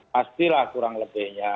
pastilah kurang lebihnya